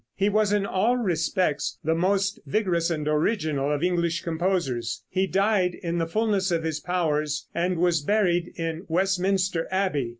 He was in all respects the most vigorous and original of English composers. He died in the fullness of his powers and was buried in Westminster Abbey.